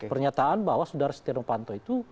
pernyataan bahwa saudara setia novanto itu